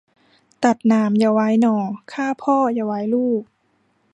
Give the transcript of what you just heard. ตัดหนามอย่าไว้หน่อ ฆ่าพ่ออย่าไว้ลูก